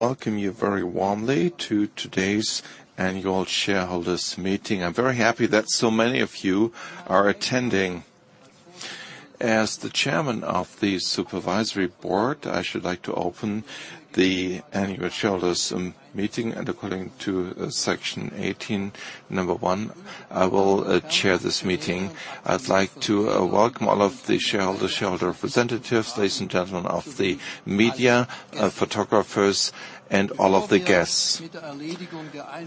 welcome you very warmly to today's annual shareholders meeting. I'm very happy that so many of you are attending. As the Chairman of the Supervisory Board, I should like to open the annual shareholders meeting, and according to Section 18, Number 1, I will chair this meeting. I'd like to welcome all of the shareholder representatives, ladies and gentlemen of the media, photographers, and all of the guests.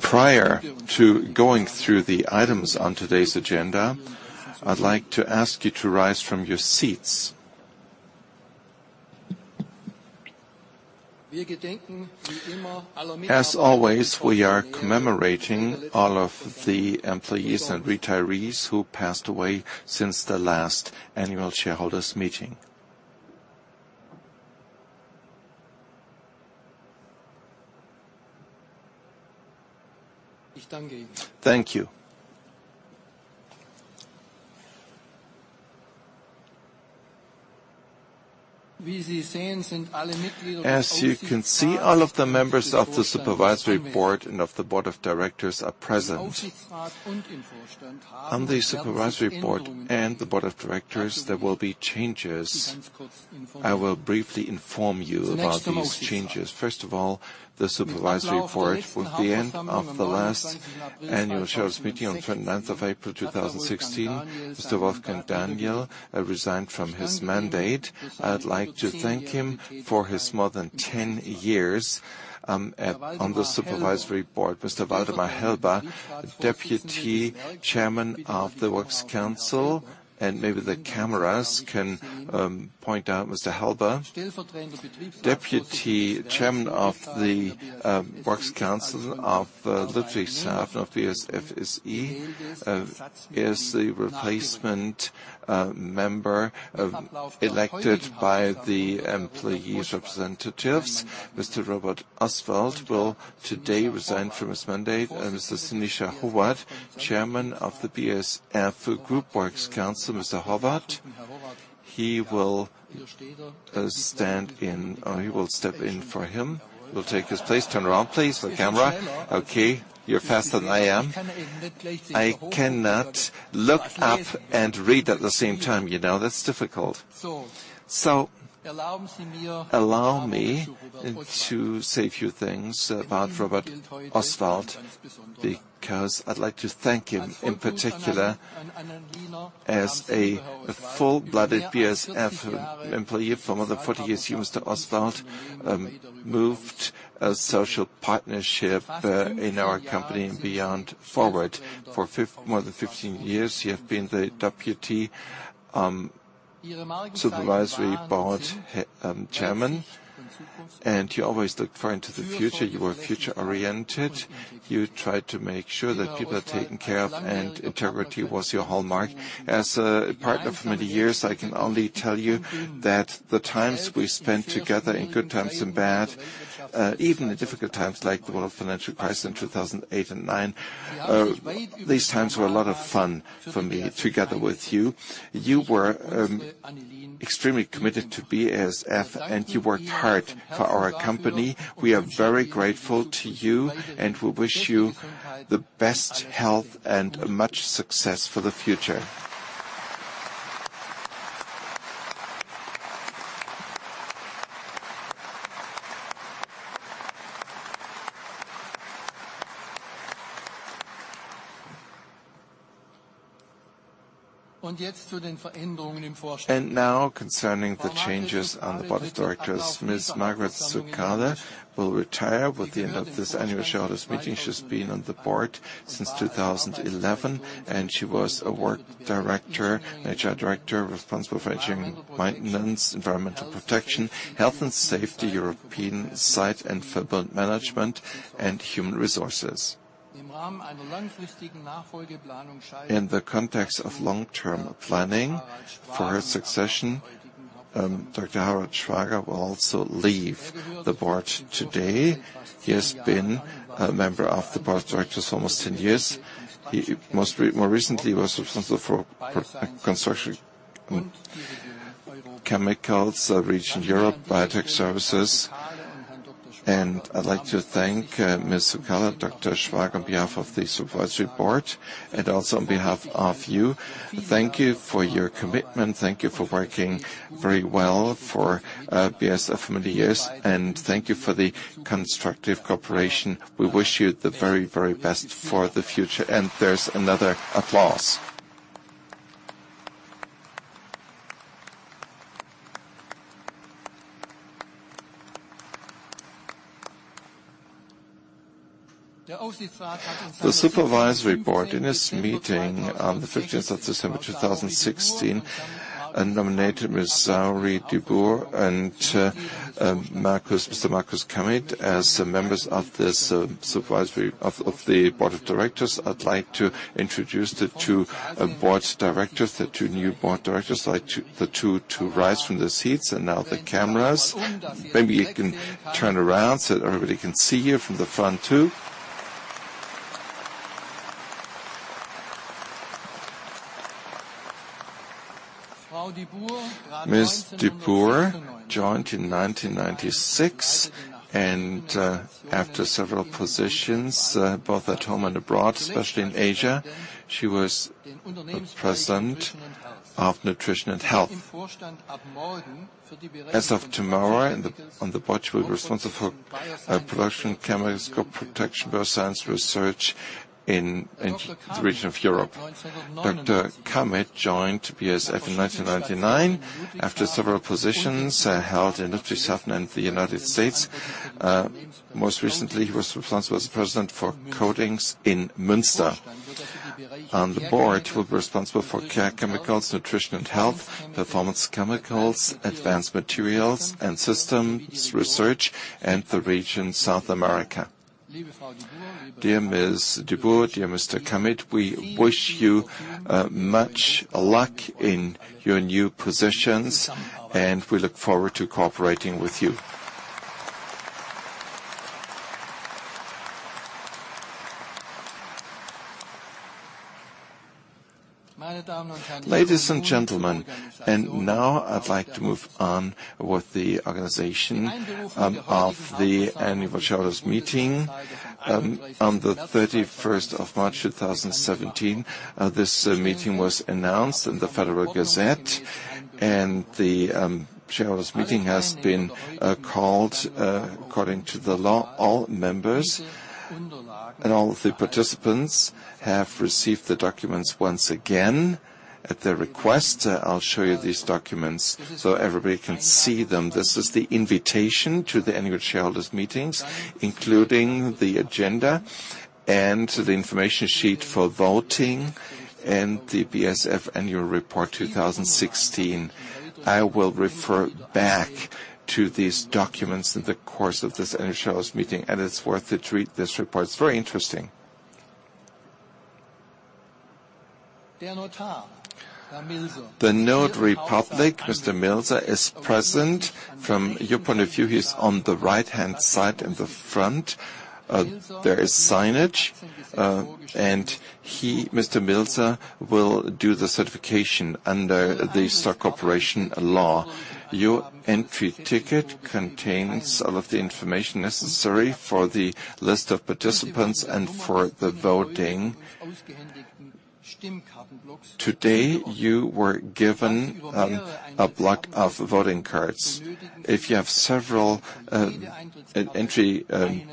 Prior to going through the items on today's agenda, I'd like to ask you to rise from your seats. As always, we are commemorating all of the employees and retirees who passed away since the last annual shareholders meeting. Thank you. As you can see, all of the members of the Supervisory Board and of the Board of Executive Directors are present. On the Supervisory Board and the Board of Executive Directors, there will be changes. I will briefly inform you about these changes. First of all, the Supervisory Board, with the end of the last annual shareholders meeting on the 29th of April, 2016, Mr. Wolfgang Daniel resigned from his mandate. I'd like to thank him for his more than 10 years on the Supervisory Board. Mr. Waldemar Helber, Deputy Chairman of the Works Council, and maybe the cameras can point out Mr. Helber. Deputy chairman of the Works Council of the Ludwigshafen of BASF SE is the replacement member elected by the employees representatives. Mr. Robert Oswald will today resign from his mandate. Mr. Sinischa Horvat, Chairman of the BASF Group Works Council. Mr. Horvat, he will step in for him. He will take his place. Turn around, please, for camera. Okay, you're faster than I am. I cannot look up and read at the same time, you know. That's difficult. Allow me to say a few things about Robert Oswald, because I'd like to thank him, in particular, as a full-blooded BASF employee. For more than 40 years, you, Mr. Oswald, moved a social partnership in our company and beyond forward. For more than 15 years, you have been the Deputy Supervisory Board Chairman, and you always looked far into the future. You were future-oriented. You tried to make sure that people are taken care of, and integrity was your hallmark. As a partner for many years, I can only tell you that the times we spent together, in good times and bad, even the difficult times, like the world financial crisis in 2008 and 2009, these times were a lot of fun for me together with you. You were extremely committed to BASF, and you worked hard for our company. We are very grateful to you, and we wish you the best health and much success for the future. Now, concerning the changes on the board of directors, Ms. Margret Suckale will retire with the end of this annual shareholders meeting. She's been on the board since 2011, and she was a work director, HR Director, responsible for engineering, maintenance, environmental protection, health and safety, European site and federal management, and human resources. In the context of long-term planning for her succession, Dr. Harald Schwager will also leave the board today. He has been a member of the board of directors for almost 10 years. He most recently was responsible for Construction Chemicals, Region Europe Biotech Services. I'd like to thank Ms. Margret Suckale and Dr. Harald Schwager on behalf of the Supervisory Board and also on behalf of you. Thank you for your commitment. Thank you for working very well for BASF for many years, and thank you for the constructive cooperation. We wish you the very, very best for the future. There's another applause. The Supervisory Board, in its meeting on the 15th of December 2016, nominated Ms. Saori Dubourg and Mr. Markus Kamieth as members of the board of directors. I'd like to introduce the two, board directors, the two new board directors. I'd like the two to rise from their seats. Now the cameras. Maybe you can turn around so that everybody can see you from the front, too. Ms. Saori Dubourg joined in 1996, and, after several positions, both at home and abroad, especially in Asia, she was the president of Nutrition and Health. As of tomorrow, on the board, she will be responsible for, production, chemicals, crop protection, bioscience, research in the region of Europe. Dr. Markus Kamieth joined BASF in 1999. After several positions, held in Germany and the United States, most recently, he was responsible as the president for Coatings in Münster. On the board, he will be responsible for Care Chemicals, Nutrition & Health, Performance Chemicals, Advanced Materials and Systems Research, Region South America. Dear Ms. Saori Dubourg, dear Mr. Markus Kamieth, we wish you much luck in your new positions and we look forward to cooperating with you. Ladies and gentlemen, now I'd like to move on with the organization of the annual shareholders meeting. On the 31st of March 2017, this meeting was announced in the Federal Gazette, and the shareholders meeting has been called according to the law. All members and all of the participants have received the documents once again. At their request, I'll show you these documents so everybody can see them. This is the invitation to the annual shareholders meetings, including the agenda and the information sheet for voting and the BASF annual report 2016. I will refer back to these documents in the course of this annual shareholders meeting, and it's worth it to read this report. It's very interesting. The notary public, Mr. Milser, is present. From your point of view, he's on the right-hand side in the front. There is signage, and he, Mr. Milser, will do the certification under the stock corporation law. Your entry ticket contains all of the information necessary for the list of participants and for the voting. Today, you were given a block of voting cards. If you have several entry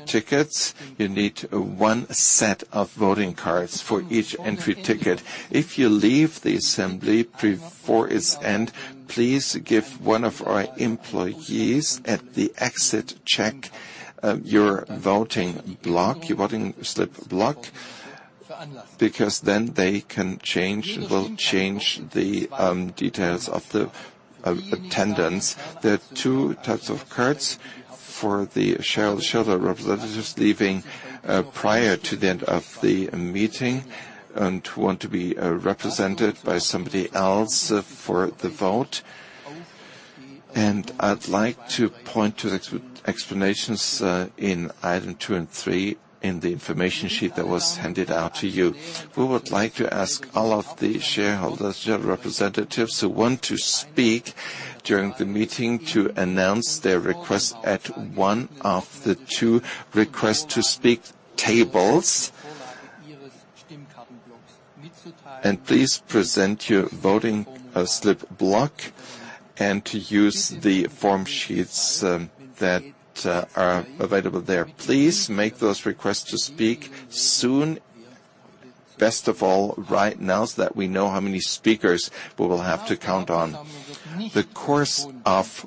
tickets, you need one set of voting cards for each entry ticket. If you leave the assembly before its end, please give one of our employees at the exit check your voting block, your voting slip block, because then they will change the details of the attendance. There are two types of cards for the shareholder representatives leaving prior to the end of the meeting and who want to be represented by somebody else for the vote. I'd like to point to the explanations in item two and three in the information sheet that was handed out to you. We would like to ask all of the shareholders, shareholder representatives who want to speak during the meeting to announce their request at one of the two request-to-speak tables. Please present your voting slip block and to use the form sheets that are available there. Please make those requests to speak soon. Best of all, right now, so that we know how many speakers we will have to count on. The course of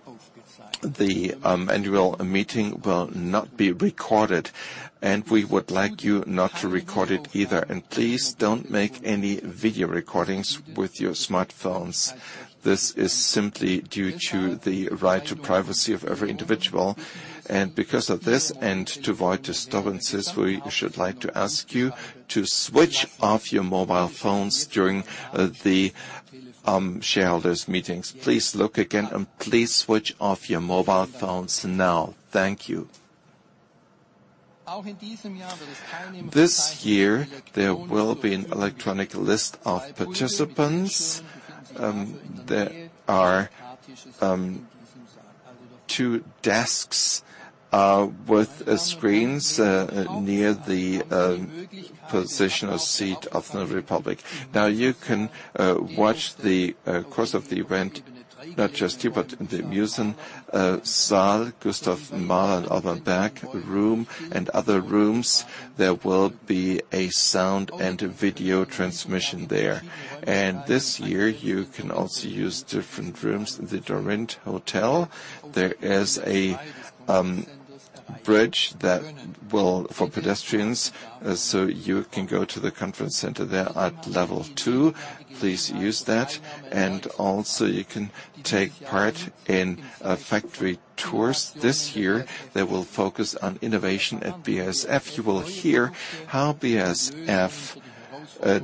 the annual meeting will not be recorded, and we would like you not to record it either. Please don't make any video recordings with your smartphones. This is simply due to the right to privacy of every individual. Because of this, and to avoid disturbances, we should like to ask you to switch off your mobile phones during the shareholders meetings. Please look again and please switch off your mobile phones now. Thank you. This year, there will be an electronic list of participants. There are two desks with screens near the president's seat of the notary public. Now, you can watch the course of the event, not just here, but in the Musensaal, Gustav-Mahler-Saal, and other rooms. There will be a sound and a video transmission there. This year, you can also use different rooms in the Dorint Hotel. There is a bridge for pedestrians, so you can go to the conference center there at Level 2. Please use that. You can also take part in factory tours this year that will focus on innovation at BASF. You will hear how BASF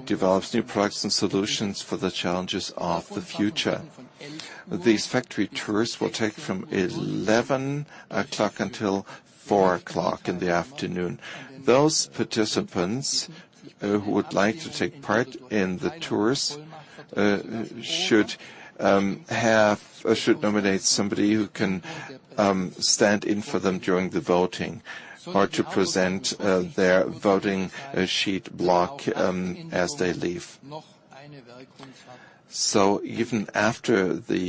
develops new products and solutions for the challenges of the future. These factory tours will take from 11:00 A.M. until 4:00 P.M. Those participants who would like to take part in the tours should have or should nominate somebody who can stand in for them during the voting or to present their voting sheet block as they leave. Even after the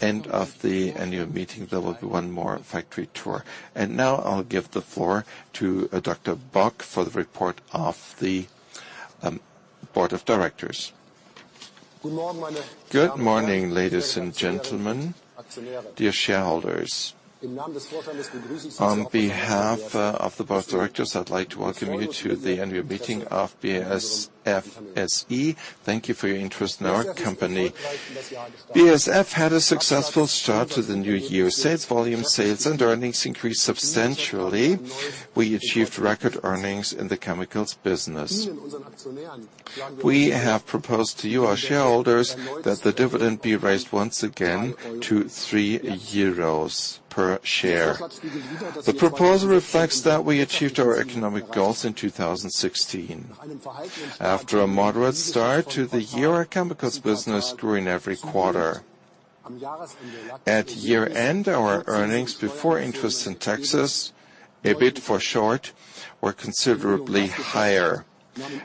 end of the annual meeting, there will be one more factory tour. Now I'll give the floor to Dr. Bock for the report of the Board of Directors. Good morning, ladies and gentlemen, dear shareholders. On behalf of the Board of Directors, I'd like to welcome you to the annual meeting of BASF SE. Thank you for your interest in our company. BASF had a successful start to the new year. Sales volume, sales and earnings increased substantially. We achieved record earnings in the chemicals business. We have proposed to you, our shareholders, that the dividend be raised once again to 3 euros per share. The proposal reflects that we achieved our economic goals in 2016. After a moderate start to the year, our chemicals business grew in every quarter. At year-end, our earnings before interest and taxes, EBIT for short, were considerably higher.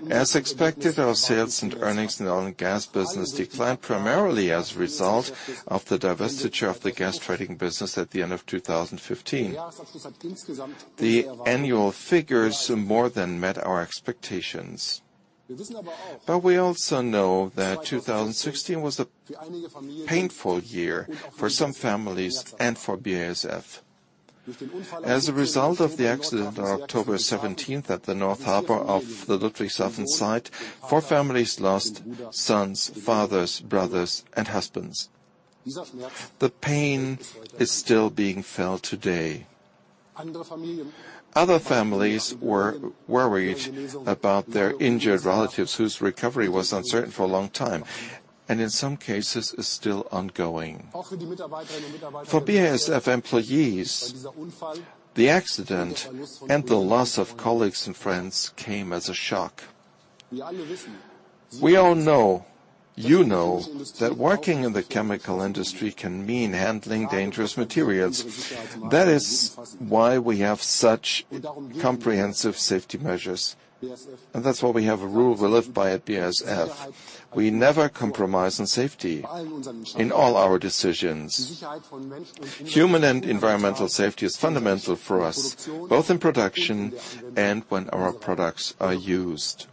As expected, our sales and earnings in oil and gas business declined primarily as a result of the divestiture of the gas trading business at the end of 2015. The annual figures more than met our expectations. We also know that 2016 was a painful year for some families and for BASF. As a result of the accident on October 17 at the North Harbor of the Ludwigshafen site, four families lost sons, fathers, brothers and husbands. The pain is still being felt today. Other families were worried about their injured relatives whose recovery was uncertain for a long time, and in some cases is still ongoing. For BASF employees, the accident and the loss of colleagues and friends came as a shock. We all know, you know that working in the chemical industry can mean handling dangerous materials. That is why we have such comprehensive safety measures, and that's why we have a rule we live by at BASF. We never compromise on safety in all our decisions. Human and environmental safety is fundamental for us, both in production and when our products are used.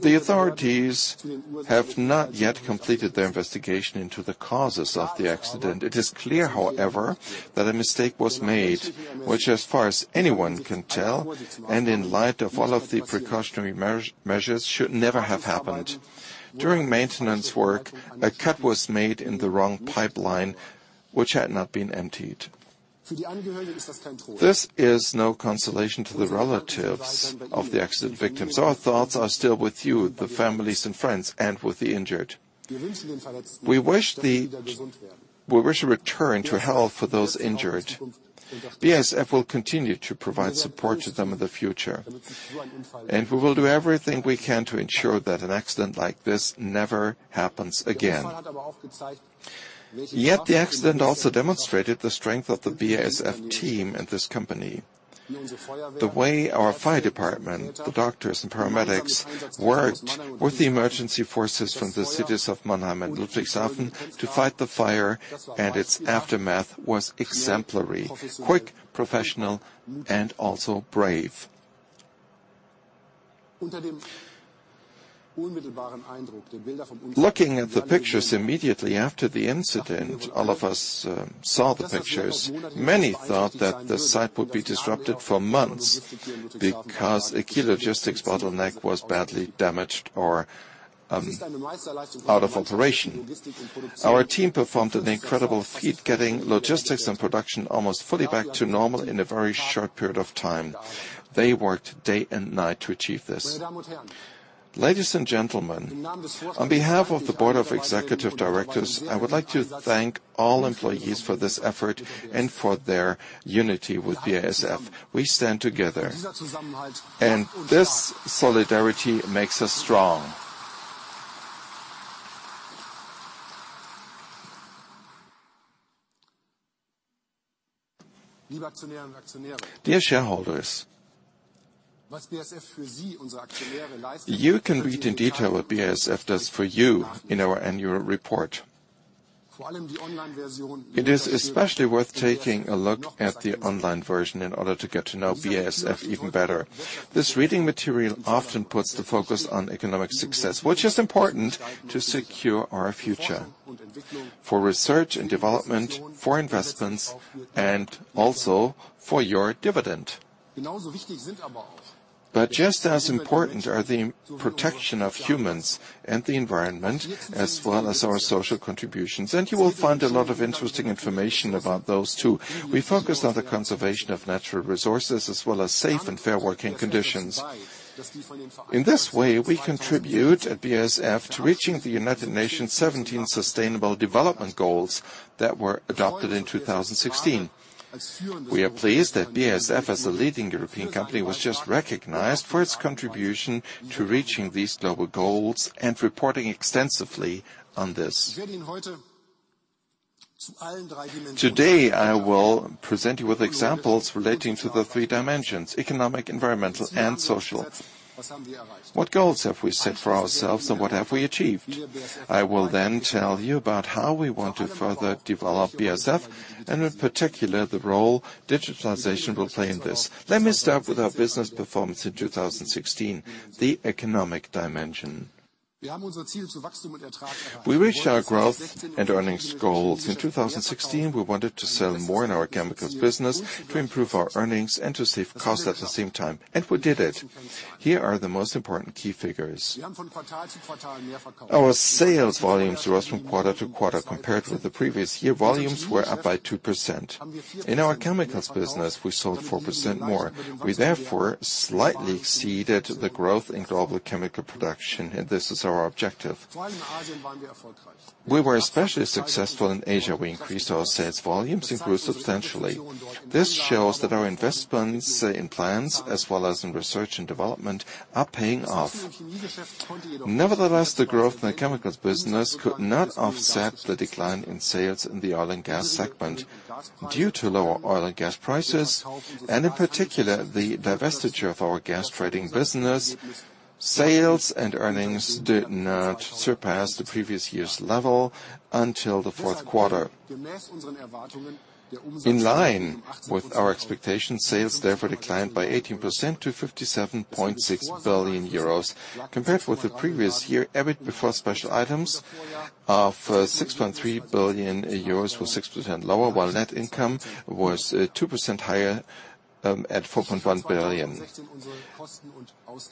The authorities have not yet completed their investigation into the causes of the accident. It is clear, however, that a mistake was made, which as far as anyone can tell, and in light of all of the precautionary measures should never have happened. During maintenance work, a cut was made in the wrong pipeline, which had not been emptied. This is no consolation to the relatives of the accident victims. Our thoughts are still with you, the families and friends, and with the injured. We wish a return to health for those injured. BASF will continue to provide support to them in the future, and we will do everything we can to ensure that an accident like this never happens again. Yet the accident also demonstrated the strength of the BASF team and this company. The way our fire department, the doctors and paramedics worked with the emergency forces from the cities of Mannheim and Ludwigshafen to fight the fire and its aftermath was exemplary, quick, professional and also brave. Looking at the pictures immediately after the incident, all of us saw the pictures. Many thought that the site would be disrupted for months because a key logistics bottleneck was badly damaged or out of operation. Our team performed an incredible feat, getting logistics and production almost fully back to normal in a very short period of time. They worked day and night to achieve this. Ladies and gentlemen, on behalf of the Board of Executive Directors, I would like to thank all employees for this effort and for their unity with BASF. We stand together, and this solidarity makes us strong. Dear shareholders, you can read in detail what BASF does for you in our annual report. It is especially worth taking a look at the online version in order to get to know BASF even better. This reading material often puts the focus on economic success, which is important to secure our future for research and development, for investments, and also for your dividend. Just as important are the protection of humans and the environment, as well as our social contributions. You will find a lot of interesting information about those, too. We focus on the conservation of natural resources, as well as safe and fair working conditions. In this way, we contribute at BASF to reaching the United Nations 17 Sustainable Development Goals that were adopted in 2016. We are pleased that BASF, as a leading European company, was just recognized for its contribution to reaching these global goals and reporting extensively on this. Today, I will present you with examples relating to the three dimensions, economic, environmental, and social. What goals have we set for ourselves, and what have we achieved? I will then tell you about how we want to further develop BASF and in particular, the role digitalization will play in this. Let me start with our business performance in 2016, the economic dimension. We reached our growth and earnings goals. In 2016, we wanted to sell more in our chemicals business to improve our earnings and to save costs at the same time, and we did it. Here are the most important key figures. Our sales volumes rose from quarter to quarter compared to the previous year. Volumes were up by 2%. In our chemicals business, we sold 4% more. We therefore slightly exceeded the growth in global chemical production, and this is our objective. We were especially successful in Asia. We increased our sales volumes, improved substantially. This shows that our investments in plants as well as in research and development are paying off. Nevertheless, the growth in the chemicals business could not offset the decline in sales in the oil and gas segment due to lower oil and gas prices and in particular, the divestiture of our gas trading business. Sales and earnings did not surpass the previous year's level until the fourth quarter. In line with our expectations, sales therefore declined by 18% to 57.6 billion euros. Compared with the previous year, EBIT before special items of 6.3 billion euros was 6% lower, while net income was 2% higher at 4.1 billion.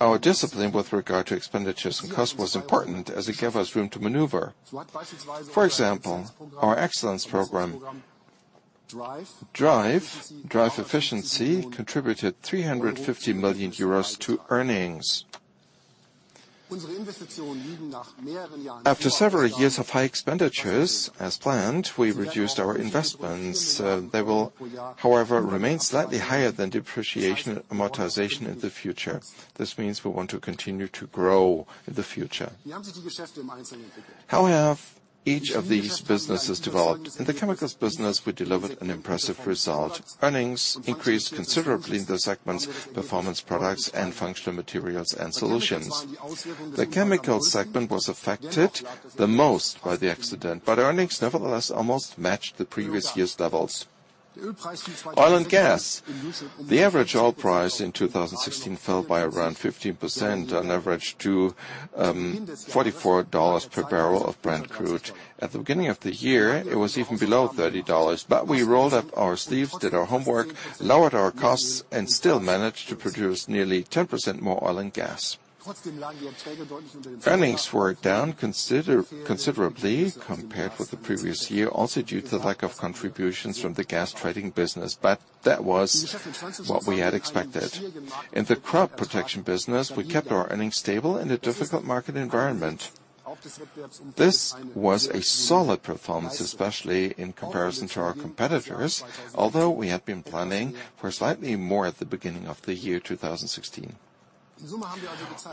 Our discipline with regard to expenditures and costs was important as it gave us room to maneuver. For example, our excellence program, Drive Efficiency, contributed 350 million euros to earnings. After several years of high expenditures, as planned, we reduced our investments. They will, however, remain slightly higher than depreciation amortization in the future. This means we want to continue to grow in the future. How have each of these businesses developed? In the chemicals business, we delivered an impressive result. Earnings increased considerably in the segment's performance products and functional materials and solutions. The chemical segment was affected the most by the accident, but earnings nevertheless almost matched the previous year's levels. Oil and gas. The average oil price in 2016 fell by around 15% on average to $44 per barrel of Brent crude. At the beginning of the year, it was even below $30, but we rolled up our sleeves, did our homework, lowered our costs, and still managed to produce nearly 10% more oil and gas. Earnings were down considerably compared with the previous year, also due to the lack of contributions from the gas trading business. That was what we had expected. In the crop protection business, we kept our earnings stable in a difficult market environment. This was a solid performance, especially in comparison to our competitors, although we had been planning for slightly more at the beginning of the year 2016.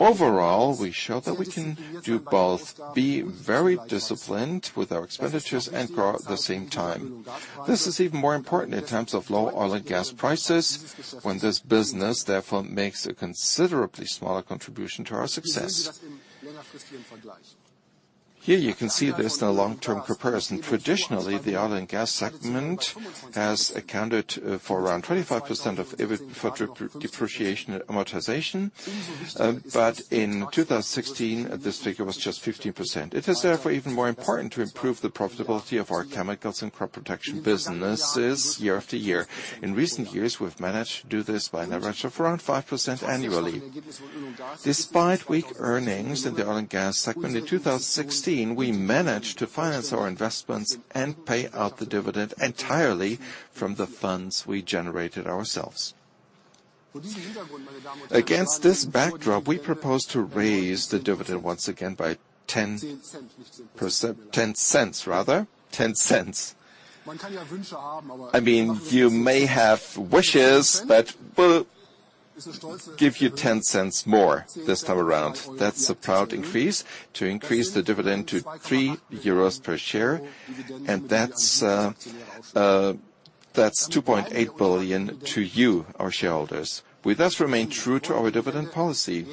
Overall, we showed that we can do both, be very disciplined with our expenditures and grow at the same time. This is even more important in times of low oil and gas prices when this business, therefore, makes a considerably smaller contribution to our success. Here you can see this in a long-term comparison. Traditionally, the oil and gas segment has accounted for around 25% of EBIT before depreciation and amortization. But in 2016, this figure was just 15%. It is therefore even more important to improve the profitability of our chemicals and crop protection businesses year after year. In recent years, we've managed to do this by an average of around 5% annually. Despite weak earnings in the oil and gas segment in 2016, we managed to finance our investments and pay out the dividend entirely from the funds we generated ourselves. Against this backdrop, we propose to raise the dividend once again by 10%, 0.10 rather. 0.10. I mean, you may have wishes, but we'll give you 0.10. More this time around. That's a proud increase to increase the dividend to 3 euros per share, and that's 2.8 billion to you, our shareholders. We thus remain true to our dividend policy.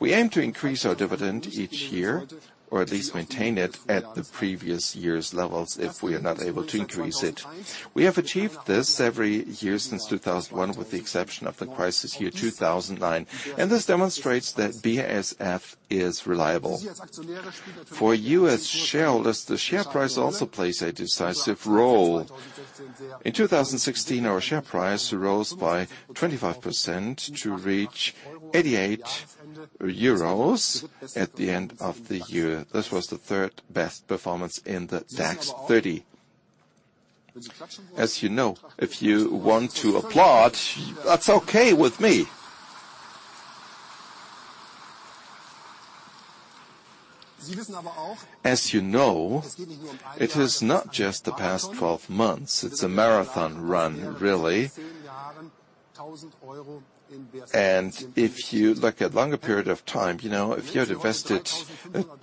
We aim to increase our dividend each year or at least maintain it at the previous year's levels if we are not able to increase it. We have achieved this every year since 2001 with the exception of the crisis year, 2009, and this demonstrates that BASF is reliable. For you as shareholders, the share price also plays a decisive role. In 2016, our share price rose by 25% to reach 88 euros at the end of the year. This was the third-best performance in the DAX 30. As you know, if you want to applaud, that's okay with me. As you know, it is not just the past twelve months, it's a marathon run, really. If you look at longer period of time, you know, if you had invested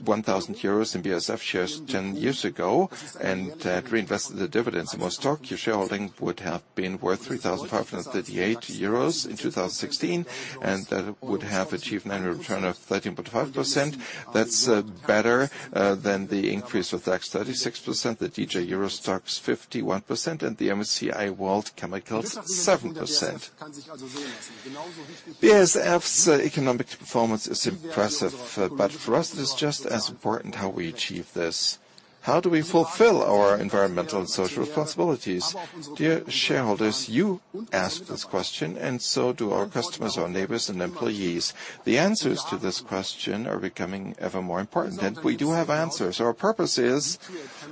1,000 euros in BASF shares 10 years ago and had reinvested the dividends in more stock, your shareholding would have been worth 3,538 euros in 2016, and that would have achieved an annual return of 13.5%. That's better than the increase in the DAX 30 6%, the DJ EURO STOXX 50 1%, and the MSCI World Chemicals 7%. BASF's economic performance is impressive, but for us it is just as important how we achieve this. How do we fulfill our environmental and social responsibilities? Dear shareholders, you ask this question, and so do our customers, our neighbors, and employees. The answers to this question are becoming ever more important, and we do have answers. Our purpose is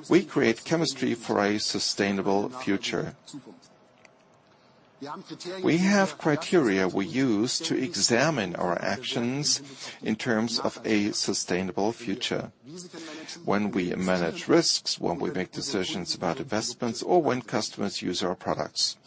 we create chemistry for a sustainable future. We have criteria we use to examine our actions in terms of a sustainable future when we manage risks, when we make decisions about investments, or when customers use our products.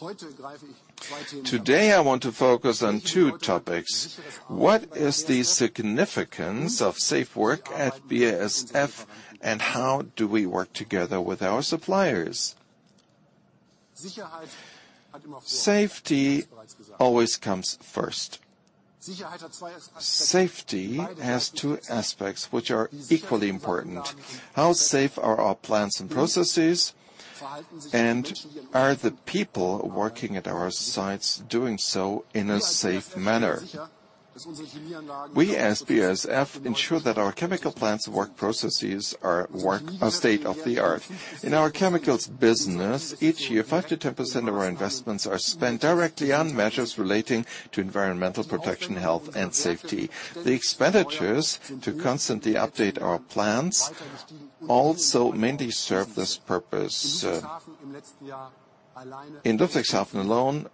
Today, I want to focus on two topics. What is the significance of safe work at BASF, and how do we work together with our suppliers? Safety always comes first. Safety has two aspects which are equally important. How safe are our plans and processes, and are the people working at our sites doing so in a safe manner? We, as BASF, ensure that our chemical plants work processes are state-of-the-art. In our chemicals business, each year, 5%-10% of our investments are spent directly on measures relating to environmental protection, health, and safety. The expenditures to constantly update our plants also mainly serve this purpose. In Ludwigshafen alone,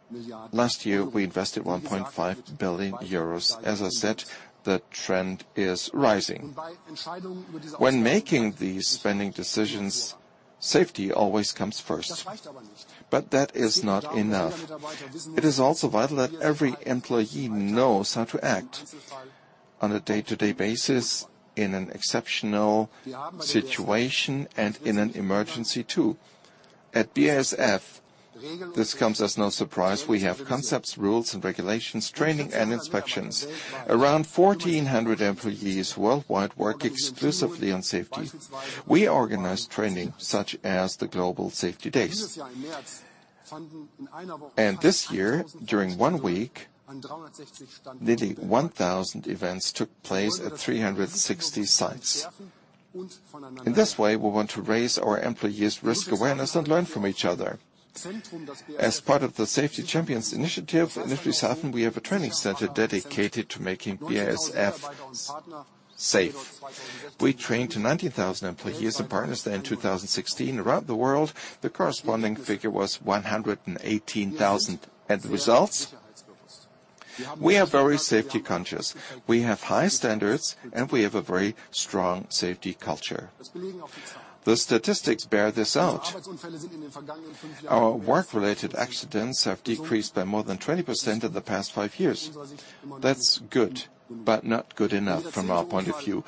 last year we invested 1.5 billion euros. As I said, the trend is rising. When making these spending decisions, safety always comes first. That is not enough. It is also vital that every employee knows how to act on a day-to-day basis in an exceptional situation and in an emergency too. At BASF, this comes as no surprise. We have concepts, rules, and regulations, training, and inspections. Around 1,400 employees worldwide work exclusively on safety. We organize training such as the Global Safety Days. This year, during one week, nearly 1,000 events took place at 360 sites. In this way, we want to raise our employees' risk awareness and learn from each other. As part of the Safety Champions initiative, in Ludwigshafen we have a training center dedicated to making BASF safe. We trained 19,000 employees and partners there in 2016. Around the world, the corresponding figure was 118,000. The results, we are very safety conscious. We have high standards, and we have a very strong safety culture. The statistics bear this out. Our work-related accidents have decreased by more than 20% in the past five years. That's good, but not good enough from our point of view.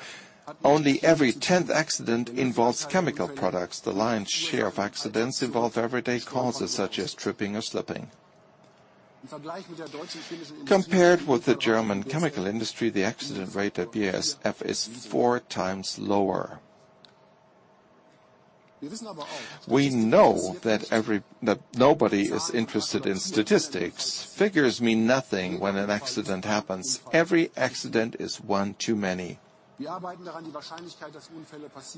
Only every tenth accident involves chemical products. The lion's share of accidents involve everyday causes, such as tripping or slipping. Compared with the German chemical industry, the accident rate at BASF is four times lower. We know that nobody is interested in statistics. Figures mean nothing when an accident happens. Every accident is one too many.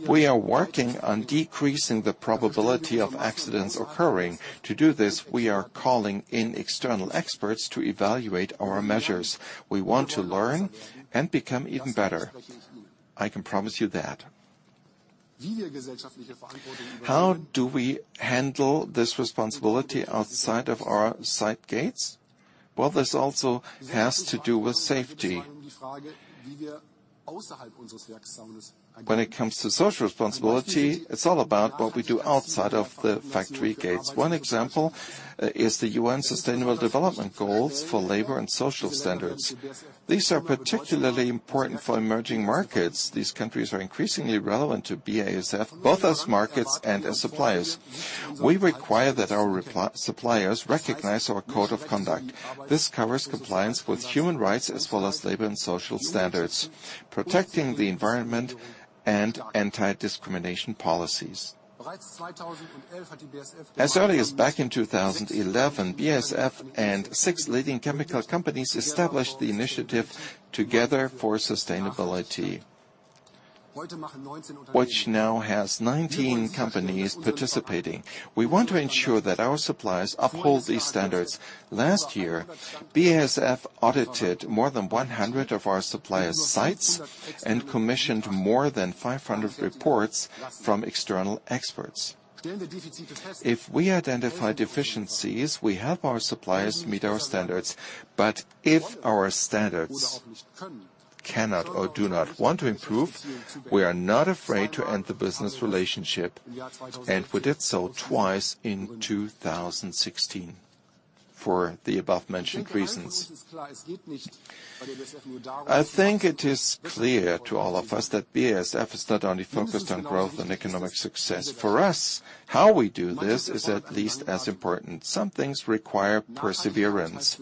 We are working on decreasing the probability of accidents occurring. To do this, we are calling in external experts to evaluate our measures. We want to learn and become even better. I can promise you that. How do we handle this responsibility outside of our site gates? Well, this also has to do with safety. When it comes to social responsibility, it's all about what we do outside of the factory gates. One example is the UN Sustainable Development Goals for labor and social standards. These are particularly important for emerging markets. These countries are increasingly relevant to BASF, both as markets and as suppliers. We require that our suppliers recognize our code of conduct. This covers compliance with human rights as well as labor and social standards, protecting the environment and anti-discrimination policies. As early as back in 2011, BASF and six leading chemical companies established the initiative Together for Sustainability, which now has 19 companies participating. We want to ensure that our suppliers uphold these standards. Last year, BASF audited more than 100 of our supplier's sites and commissioned more than 500 reports from external experts. If we identify deficiencies, we help our suppliers meet our standards. If our suppliers cannot or do not want to improve, we are not afraid to end the business relationship, and we did so twice in 2016 for the above-mentioned reasons. I think it is clear to all of us that BASF is not only focused on growth and economic success. For us, how we do this is at least as important. Some things require perseverance.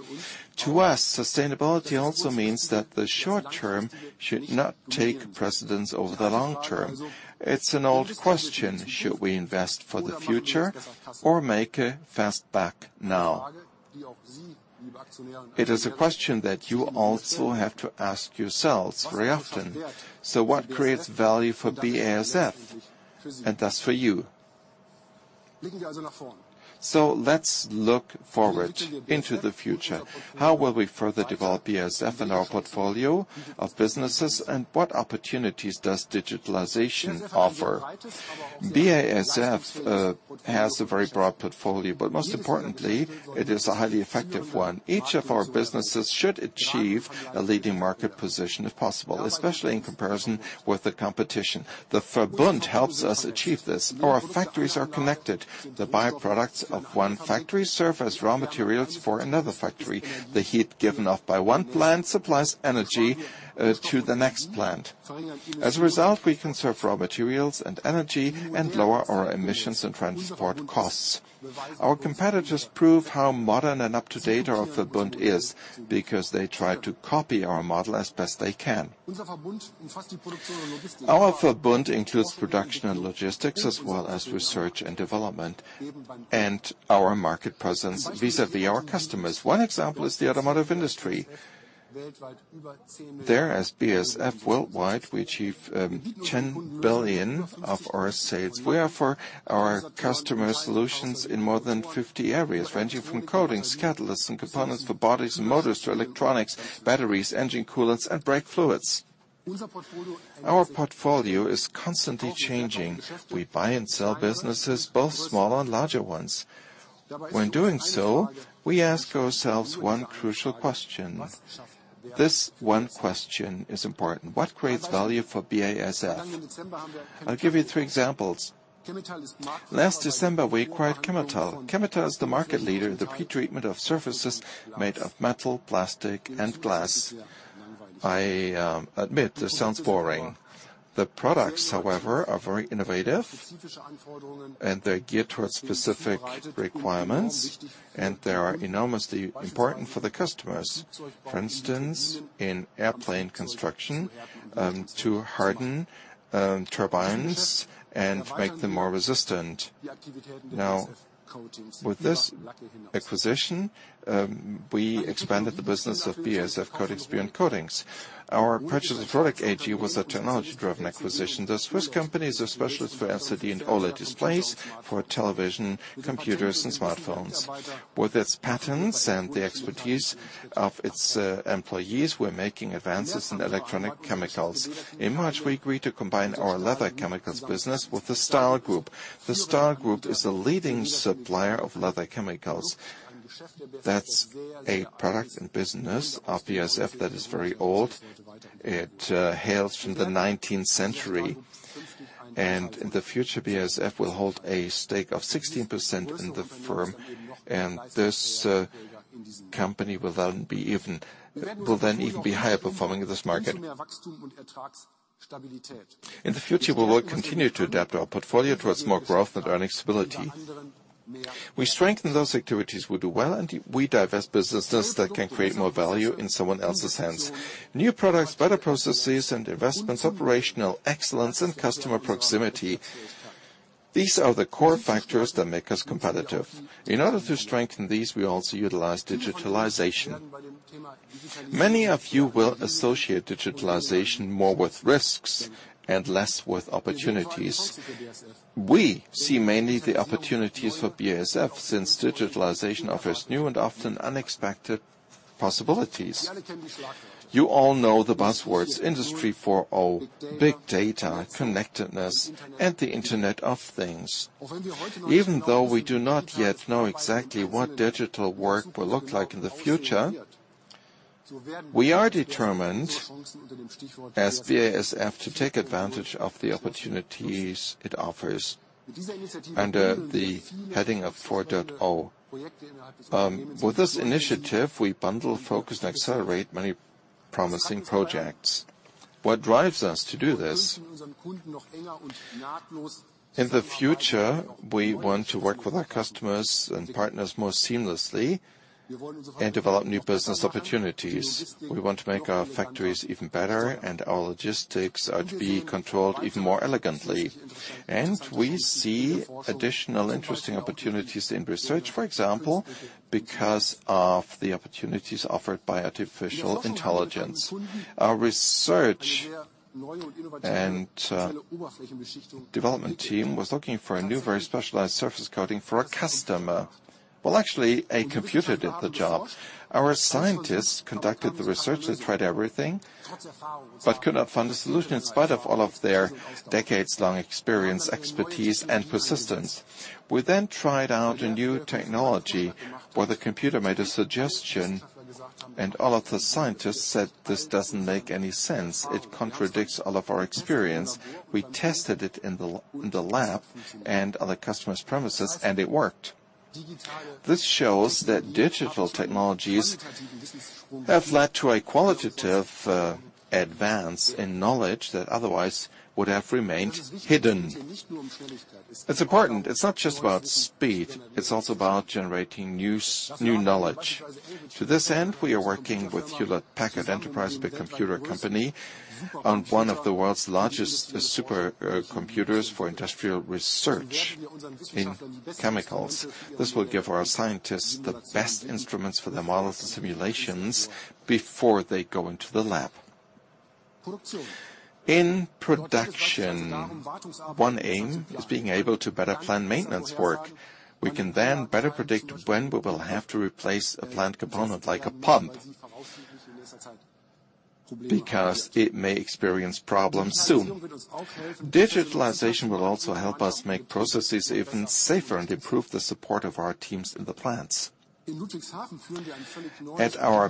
To us, sustainability also means that the short term should not take precedence over the long term. It's an old question: Should we invest for the future or make a fast buck now? It is a question that you also have to ask yourselves very often. What creates value for BASF and thus for you? Let's look forward into the future. How will we further develop BASF and our portfolio of businesses, and what opportunities does digitalization offer? BASF has a very broad portfolio, but most importantly, it is a highly effective one. Each of our businesses should achieve a leading market position if possible, especially in comparison with the competition. The Verbund helps us achieve this. Our factories are connected. The byproducts of one factory serve as raw materials for another factory. The heat given off by one plant supplies energy to the next plant. As a result, we conserve raw materials and energy and lower our emissions and transport costs. Our competitors prove how modern and up-to-date our Verbund is because they try to copy our model as best they can. Our Verbund includes production and logistics as well as research and development and our market presence vis-à-vis our customers. One example is the automotive industry. There, as BASF worldwide, we achieve 10 billion of our sales. We offer our customer solutions in more than 50 areas, ranging from coatings, catalysts and components for bodies and motors to electronics, batteries, engine coolants, and brake fluids. Our portfolio is constantly changing. We buy and sell businesses, both small and larger ones. When doing so, we ask ourselves one crucial question. This one question is important. What creates value for BASF? I'll give you three examples. Last December, we acquired Chemetall. Chemetall is the market leader in the pretreatment of surfaces made of metal, plastic, and glass. I admit this sounds boring. The products, however, are very innovative, and they're geared towards specific requirements, and they are enormously important for the customers. For instance, in airplane construction, to harden turbines and make them more resistant. Now, with this acquisition, we expanded the business of BASF Coatings division. Our purchase of Rolic AG was a technology-driven acquisition. The Swiss company is a specialist for LCD and OLED displays for television, computers, and smartphones. With its patents and the expertise of its employees, we're making advances in electronic chemicals. In March, we agreed to combine our leather chemicals business with the Stahl Group. The Stahl Group is the leading supplier of leather chemicals. That's a product and business of BASF that is very old. It hails from the nineteenth century. In the future, BASF will hold a stake of 16% in the firm, and this company will then even be higher performing in this market. In the future, we will continue to adapt our portfolio towards more growth and earning stability. We strengthen those activities, we do well, and we divest businesses that can create more value in someone else's hands. New products, better processes and investments, operational excellence and customer proximity, these are the core factors that make us competitive. In order to strengthen these, we also utilize digitalization. Many of you will associate digitalization more with risks and less with opportunities. We see mainly the opportunities for BASF since digitalization offers new and often unexpected possibilities. You all know the buzzwords Industry 4.0, big data, connectedness, and the Internet of Things. Even though we do not yet know exactly what digital work will look like in the future, we are determined as BASF to take advantage of the opportunities it offers under the heading of 4.0. With this initiative, we bundle, focus, and accelerate many promising projects. What drives us to do this? In the future, we want to work with our customers and partners more seamlessly and develop new business opportunities. We want to make our factories even better and our logistics to be controlled even more elegantly. We see additional interesting opportunities in research, for example, because of the opportunities offered by artificial intelligence. Our research and development team was looking for a new very specialized surface coating for a customer. Well, actually, a computer did the job. Our scientists conducted the research. They tried everything, but could not find a solution in spite of all of their decades-long experience, expertise, and persistence. We tried out a new technology where the computer made a suggestion, and all of the scientists said, "This doesn't make any sense. It contradicts all of our experience." We tested it in the lab and on the customer's premises, and it worked. This shows that digital technologies have led to a qualitative advance in knowledge that otherwise would have remained hidden. It's important. It's not just about speed. It's also about generating new knowledge. To this end, we are working with Hewlett Packard Enterprise, big computer company, on one of the world's largest supercomputers for industrial research in chemicals. This will give our scientists the best instruments for their models and simulations before they go into the lab. In production, one aim is being able to better plan maintenance work. We can then better predict when we will have to replace a plant component like a pump because it may experience problems soon. Digitalization will also help us make processes even safer and improve the support of our teams in the plants. At our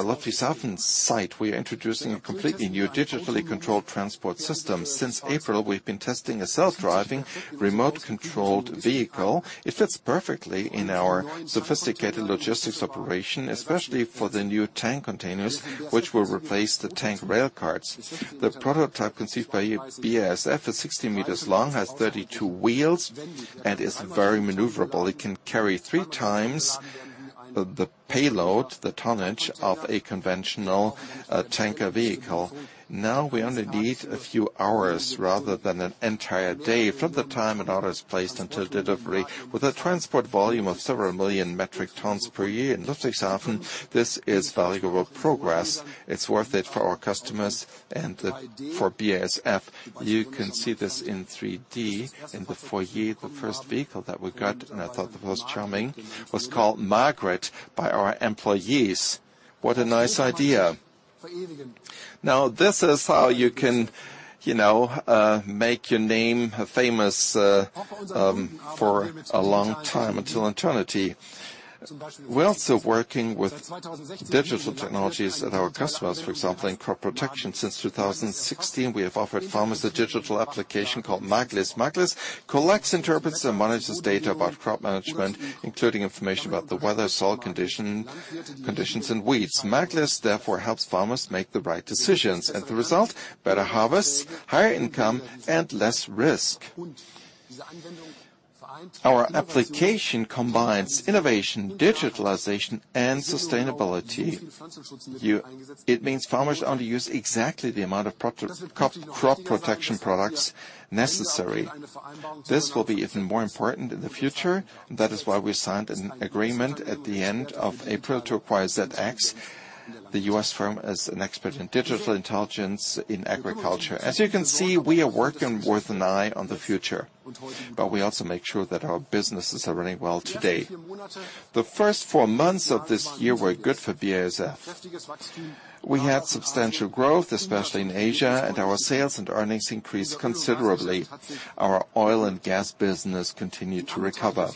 Ludwigshafen site, we are introducing a completely new digitally controlled transport system. Since April, we've been testing a self-driving remote-controlled vehicle. It fits perfectly in our sophisticated logistics operation, especially for the new tank containers, which will replace the tank rail cars. The prototype conceived by BASF is 60 meters long, has 32 wheels, and is very maneuverable. It can carry three times the payload, the tonnage of a conventional tanker vehicle. Now we only need a few hours rather than an entire day from the time an order is placed until delivery. With a transport volume of several million metric tons per year in Ludwigshafen, this is valuable progress. It's worth it for our customers and the, for BASF. You can see this in 3D in the foyer. The first vehicle that we got, and I thought it was charming, was called Margaret by our employees. What a nice idea. Now, this is how you can, you know, make your name, famous, for a long time until eternity. We're also working with digital technologies at our customers, for example, in crop protection. Since 2016, we have offered farmers a digital application called Maglis. Maglis collects, interprets, and monitors data about crop management, including information about the weather, soil condition, conditions and weeds. Maglis therefore helps farmers make the right decisions, and the result, better harvests, higher income, and less risk. Our application combines innovation, digitalization, and sustainability. It means farmers only use exactly the amount of crop protection products necessary. This will be even more important in the future. That is why we signed an agreement at the end of April to acquire ZedX, the U.S. firm as an expert in digital intelligence in agriculture. As you can see, we are working with an eye on the future, but we also make sure that our businesses are running well today. The first four months of this year were good for BASF. We had substantial growth, especially in Asia, and our sales and earnings increased considerably. Our oil and gas business continued to recover.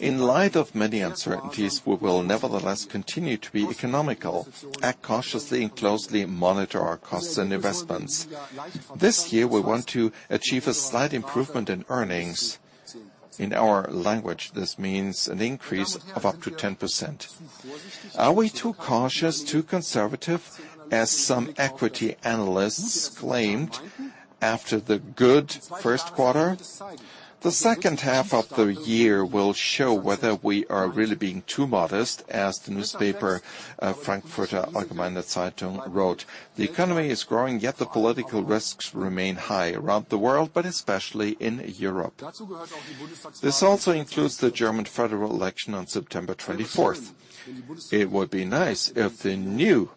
In light of many uncertainties, we will nevertheless continue to be economical, act cautiously, and closely monitor our costs and investments. This year, we want to achieve a slight improvement in earnings. In our language, this means an increase of up to 10%. Are we too cautious, too conservative, as some equity analysts claimed after the good first quarter? The second half of the year will show whether we are really being too modest, as the newspaper, Frankfurter Allgemeine Zeitung wrote. The economy is growing, yet the political risks remain high around the world, but especially in Europe. This also includes the German federal election on September 24th. It would be nice if the new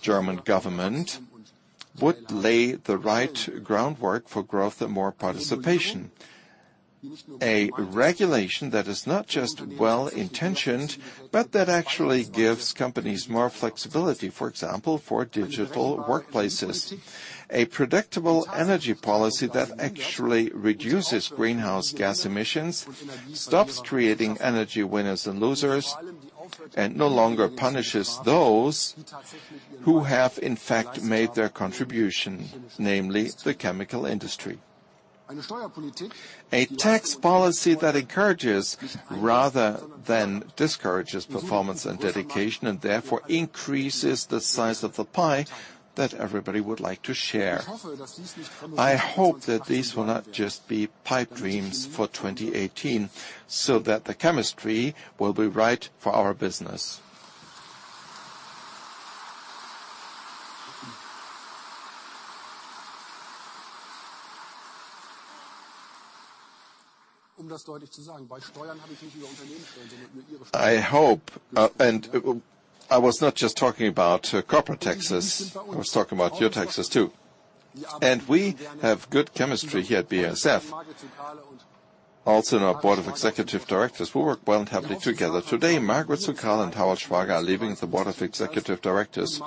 German government would lay the right groundwork for growth and more participation. A regulation that is not just well-intentioned, but that actually gives companies more flexibility, for example, for digital workplaces. A predictable energy policy that actually reduces greenhouse gas emissions, stops creating energy winners and losers, and no longer punishes those who have in fact made their contribution, namely the chemical industry. A tax policy that encourages rather than discourages performance and dedication, and therefore increases the size of the pie that everybody would like to share. I hope that these will not just be pipe dreams for 2018, so that the chemistry will be right for our business. I hope, I was not just talking about, corporate taxes. I was talking about your taxes too. We have good chemistry here at BASF. Also, in our Board of Executive Directors, we work well and happily together. Today, Margret Suckale and Harald Schwager are leaving the Board of Executive Directors.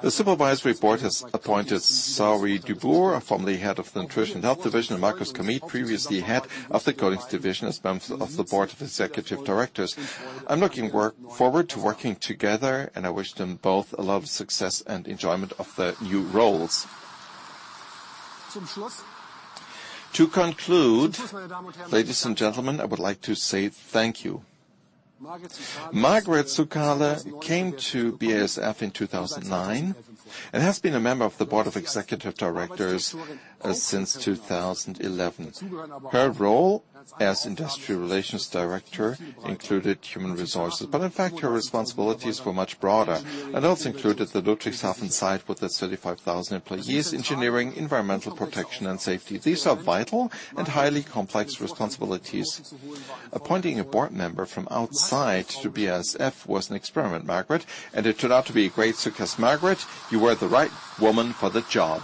The Supervisory Board has appointed Saori Dubourg, formerly head of the Nutrition & Health division, and Markus Kamieth, previously head of the Coatings division, as members of the Board of Executive Directors. I'm looking forward to working together, and I wish them both a lot of success and enjoyment of their new roles. To conclude, ladies and gentlemen, I would like to say thank you. Margret Suckale came to BASF in 2009 and has been a member of the Board of Executive Directors since 2011. Her role as industry relations director included human resources, but in fact, her responsibilities were much broader and also included the Ludwigshafen site with its 35,000 employees, engineering, environmental protection and safety. These are vital and highly complex responsibilities. Appointing a board member from outside to BASF was an experiment, Margret, and it turned out to be a great success. Margret, you were the right woman for the job.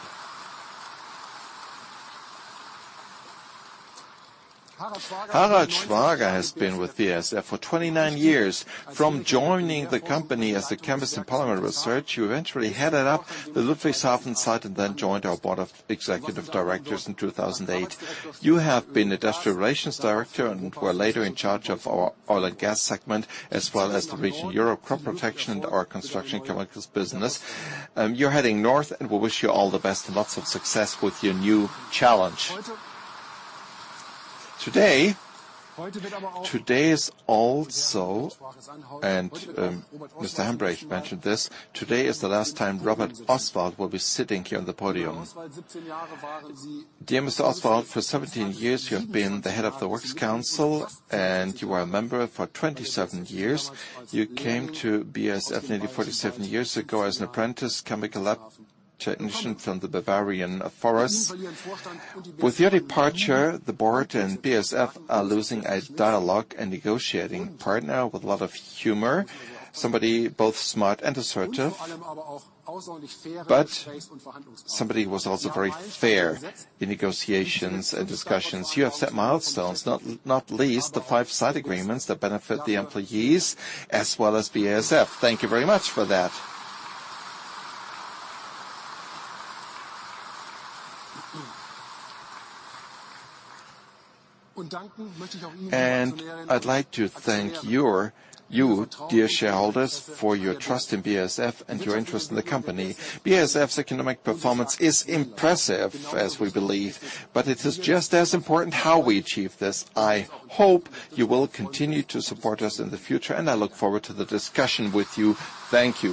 Harald Schwager has been with BASF for 29 years. From joining the company as a chemist in polymer research, you eventually headed up the Ludwigshafen site and then joined our board of executive directors in 2008. You have been industrial relations director and were later in charge of our oil and gas segment, as well as the region Europe Crop Protection and our construction chemicals business. You're heading north, and we wish you all the best and lots of success with your new challenge. Today is also, Mr. Hambrecht mentioned this, today is the last time Robert Oswald will be sitting here on the podium. Dear Mr. Oswald, for 17 years you have been the head of the works council, and you were a member for 27 years. You came to BASF nearly 47 years ago as an apprentice chemical lab technician from the Bavarian Forest. With your departure, the board and BASF are losing a dialogue and negotiating partner with a lot of humor, somebody both smart and assertive, but somebody who was also very fair in negotiations and discussions. You have set milestones, not least the 5 side agreements that benefit the employees as well as BASF. Thank you very much for that. I'd like to thank you, dear shareholders, for your trust in BASF and your interest in the company. BASF's economic performance is impressive, as we believe, but it is just as important how we achieve this. I hope you will continue to support us in the future, and I look forward to the discussion with you. Thank you.